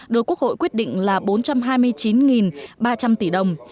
được quốc hội quyết định là bốn trăm hai mươi chín ba trăm linh tỷ đồng